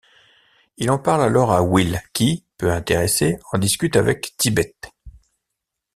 Il en parle alors à Will qui, peu intéressé, en discute avec Tibet.